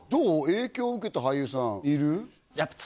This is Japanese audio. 影響を受けた俳優さんいる？